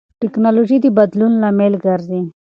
ټیکنالوژي د بدلون لامل ګرځي.